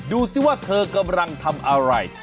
ดูสิว่าเธอกำลังทำอะไร